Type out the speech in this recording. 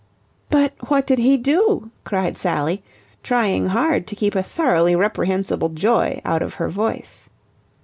"But what did he do?" cried Sally, trying hard to keep a thoroughly reprehensible joy out of her voice.